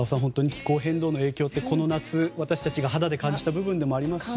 気候変動の影響ってこの夏、私たちが肌で感じた部分でもありますしね。